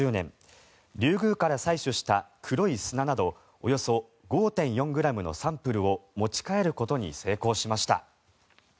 リュウグウから採取した黒い砂などおよそ５．４ｇのサンプルを持ち帰ることに成功しました。